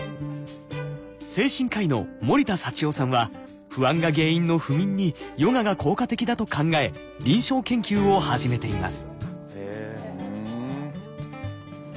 精神科医の森田幸代さんは不安が原因の不眠にヨガが効果的だと考え臨床研究を始めています。